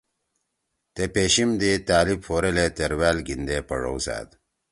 تے پیشیِم دی طألب پھوریل اے تیروأل گھیِندے پڙَؤسأد۔